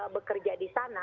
bekerja di sana